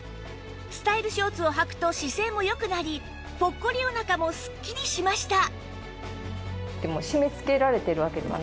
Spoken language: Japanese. スタイルショーツをはくと姿勢も良くなりポッコリお腹もスッキリしました